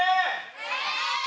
はい！